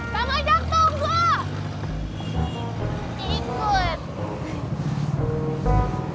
kamu ajak toh mbak